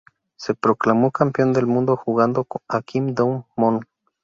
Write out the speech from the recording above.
Se proclamó campeón del mundo jugando junto a Kim Dong-moon.